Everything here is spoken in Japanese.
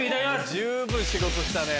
十分仕事したね。